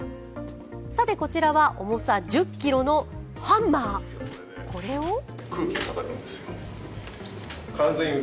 さて、こちらは重さ１０ｋｇのハンマーこれを？